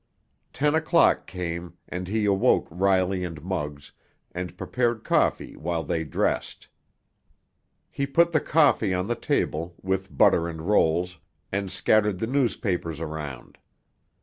Ten o'clock came, and he awoke Riley and Muggs and prepared coffee while they dressed. He put the coffee on the table, with butter and rolls, and scattered the newspapers around.